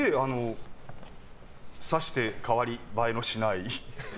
さして変わり映えのしない。